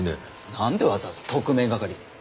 なんでわざわざ特命係に。